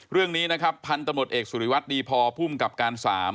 เรื่องนี้นะครับพันธ์ตะหมดเอกสุริวัตน์ดีพอผู้มันกลับการ๓